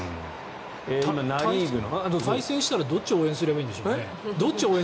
対戦したらどっちを応援すればいいんでしょうね。